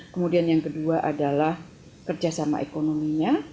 kemudian yang kedua adalah kerjasama ekonominya